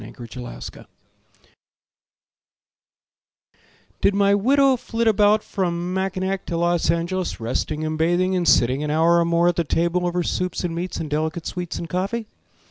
Batterton Dobyns Did my widow flit about From Mackinac to Los Angeles, Resting and bathing and sitting an hour Or more at the table over soup and meats And delicate sweets and coffee?